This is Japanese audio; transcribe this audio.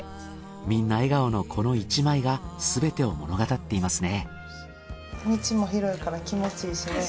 みんな笑顔のこの１枚がすべてを物語っていますね。